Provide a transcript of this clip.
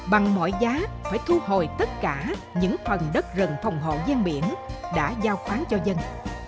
bằng mọi giá phải thu hồi tất cả những phần đất rừng phòng hộ gian biển đã giao khoáng cho dân